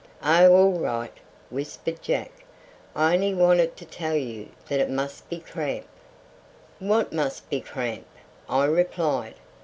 "Oh, all right!" whispered Jack. "I only wanted to tell you that it must be cramp." "What must be cramp?" I replied.